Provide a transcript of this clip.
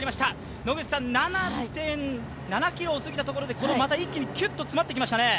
７．７ｋｍを過ぎたところで一気にキュッと詰まってきましたね。